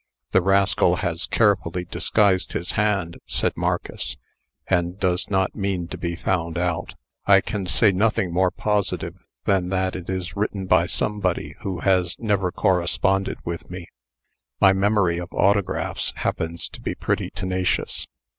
"The rascal has carefully disguised his hand," said Marcus, "and does not mean to be found out. I can say nothing more positive, than that it is written by somebody who has never corresponded with me. My memory of autographs happens to be pretty tenacious."